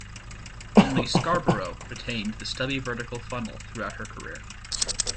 Only "Scarborough" retained the stubby vertical funnel throughout her career.